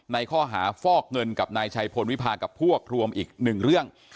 ในข้อหาฟอกเงินกับนายชัยพลวิพากับพวกรวมอีกหนึ่งเรื่อง